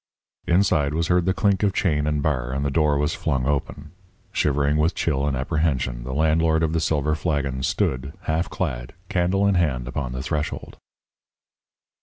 Inside was heard the clink of chain and bar, and the door was flung open. Shivering with chill and apprehension, the landlord of the Silver Flagon stood, half clad, candle in hand, upon the threshold.